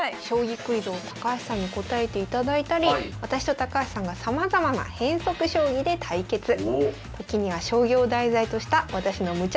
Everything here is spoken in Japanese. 将棋クイズを高橋さんに答えていただいたり私と高橋さんがさまざまな変則将棋で対決！